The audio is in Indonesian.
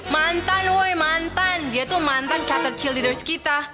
mantan woy mantan dia tuh mantan captain childers kita